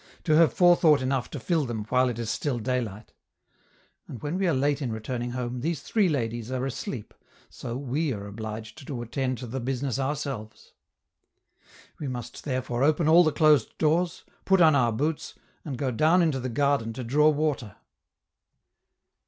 ] to have forethought enough to fill them while it is still daylight. And when we are late in returning home, these three ladies are asleep, so we are obliged to attend to the business ourselves. We must therefore open all the closed doors, put on our boots, and go down into the garden to draw water.